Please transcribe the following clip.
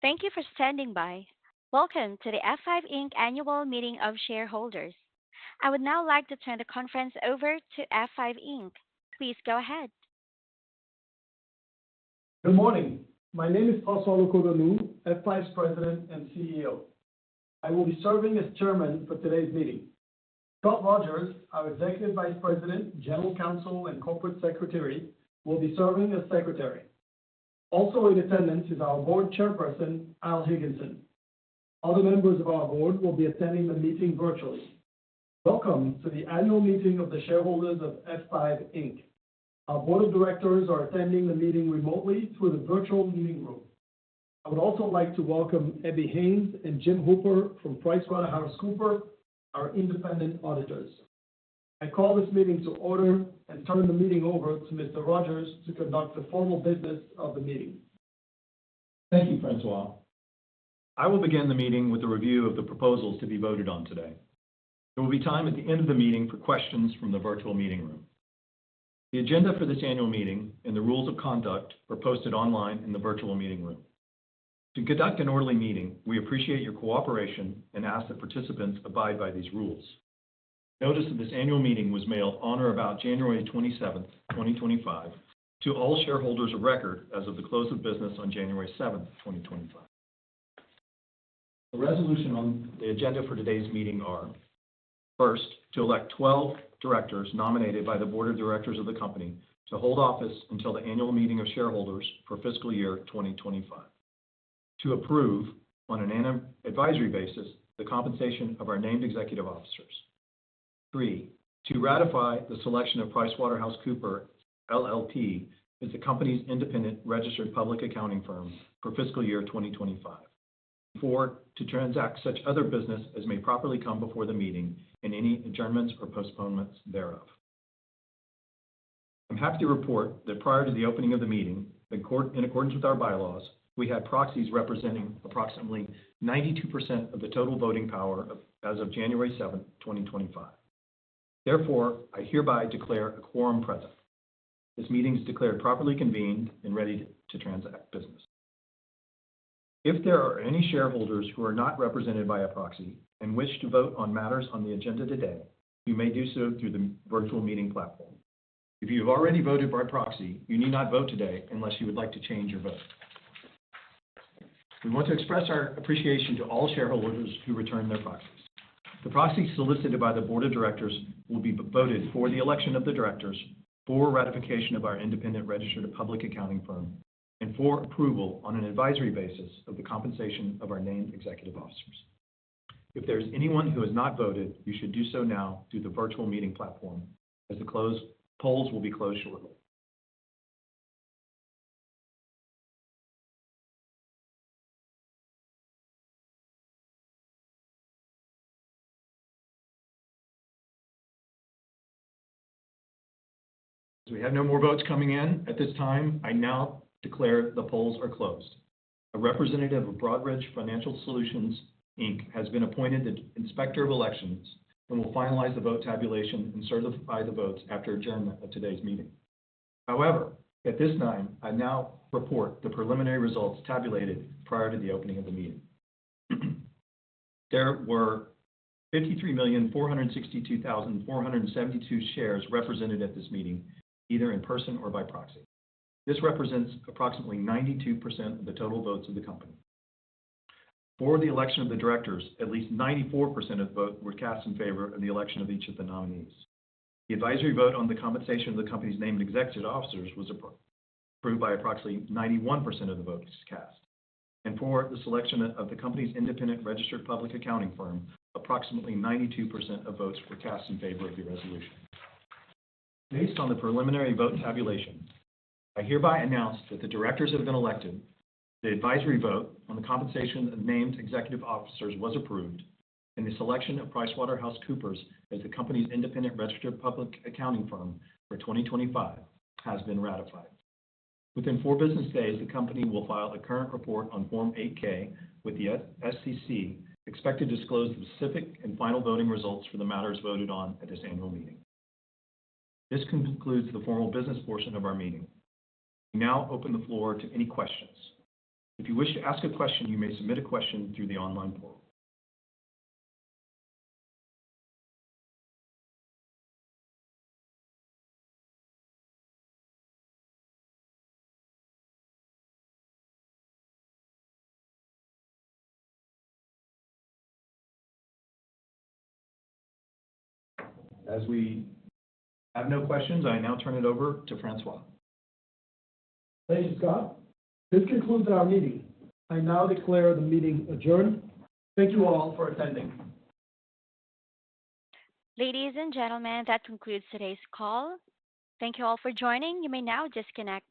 Thank you for standing by. Welcome to the F5, Inc. Annual Meeting of Shareholders. I would now like to turn the conference over to F5, Inc. Please go ahead. Good morning. My name is François Locoh-Donou, F5's President and CEO. I will be serving as Chairman for today's meeting. Scot Rogers, our Executive Vice President, General Counsel, and Corporate Secretary, will be serving as Secretary. Also in attendance is our Board Chairperson, Al Higginson. Other members of our Board will be attending the meeting virtually. Welcome to the Annual Meeting of the Shareholders of F5, Inc. Our Board of Directors are attending the meeting remotely through the virtual meeting room. I would also like to welcome Abby Haynes and Jim Hooper from PricewaterhouseCoopers, our independent auditors. I call this meeting to order and turn the meeting over to Mr. Rogers to conduct the formal business of the meeting. Thank you, François. I will begin the meeting with a review of the proposals to be voted on today. There will be time at the end of the meeting for questions from the virtual meeting room. The agenda for this Annual Meeting and the Rules of Conduct are posted online in the virtual meeting room. To conduct an orderly meeting, we appreciate your cooperation and ask that participants abide by these rules. Notice that this Annual Meeting was mailed on or about January 27, 2025, to all shareholders of record as of the close of business on January 7, 2025. The resolutions on the agenda for today's meeting are: First, to elect 12 directors nominated by the Board of Directors of the company to hold office until the Annual Meeting of Shareholders for fiscal year 2025. To approve, on an annual advisory basis, the compensation of our named executive officers. Three, to ratify the selection of PricewaterhouseCoopers LLP as the company's independent registered public accounting firm for fiscal year 2025. Four, to transact such other business as may properly come before the meeting and any adjournments or postponements thereof. I'm happy to report that prior to the opening of the meeting, in accordance with our bylaws, we had proxies representing approximately 92% of the total voting power as of January 7, 2025. Therefore, I hereby declare a quorum present. This meeting is declared properly convened and ready to transact business. If there are any shareholders who are not represented by a proxy and wish to vote on matters on the agenda today, you may do so through the virtual meeting platform. If you have already voted by proxy, you need not vote today unless you would like to change your vote. We want to express our appreciation to all shareholders who return their proxies. The proxies solicited by the Board of Directors will be voted for the election of the directors, for ratification of our independent registered public accounting firm, and for approval on an advisory basis of the compensation of our named executive officers. If there is anyone who has not voted, you should do so now through the virtual meeting platform as the polls will be closed shortly. We have no more votes coming in at this time. I now declare the polls are closed. A representative of Broadridge Financial Solutions, Inc., has been appointed the Inspector of Elections and will finalize the vote tabulation and certify the votes after adjournment of today's meeting. However, at this time, I now report the preliminary results tabulated prior to the opening of the meeting. There were 53,462,472 shares represented at this meeting either in person or by proxy. This represents approximately 92% of the total votes of the company. For the election of the directors, at least 94% of the votes were cast in favor of the election of each of the nominees. The advisory vote on the compensation of the company's named executive officers was approved by approximately 91% of the votes cast, and for the selection of the company's independent registered public accounting firm, approximately 92% of votes were cast in favor of the resolution. Based on the preliminary vote tabulation, I hereby announce that the directors have been elected, the advisory vote on the compensation of named executive officers was approved, and the selection of PricewaterhouseCoopers as the company's independent registered public accounting firm for 2025 has been ratified. Within four business days, the company will file a current report on Form 8-K with the SEC, expected to disclose the specific and final voting results for the matters voted on at this Annual Meeting. This concludes the formal business portion of our meeting. We now open the floor to any questions. If you wish to ask a question, you may submit a question through the online portal. As we have no questions, I now turn it over to François. Thank you, Scot. This concludes our meeting. I now declare the meeting adjourned. Thank you all for attending. Ladies and gentlemen, that concludes today's call. Thank you all for joining. You may now disconnect.